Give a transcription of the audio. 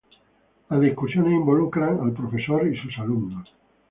Las discusiones involucran al profesor y sus alumnos.